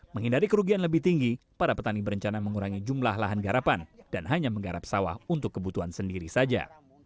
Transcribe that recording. menghindari kerugian lebih tinggi para petani berencana mengurangi jumlah lahan garapan dan hanya menggarap sawah untuk kebutuhan sendiri saja